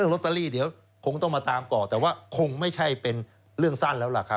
แล้วคงต้องมาตามก่อแต่ว่าคงไม่ใช่เป็นเรื่องสั้นแล้ว